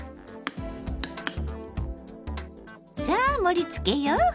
さあ盛りつけよう！